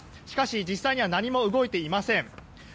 しかし、実際には何も動いていません。